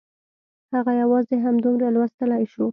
هغه یوازې همدومره لوستلی شو